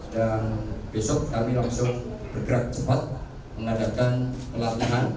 dan besok kami langsung bergerak cepat mengadakan pelatihan